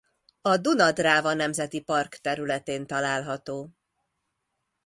A Duna–Dráva Nemzeti Park területén található.